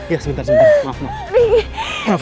ya sebentar maaf